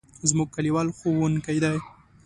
زموږ کلیوال ښوونکی دی.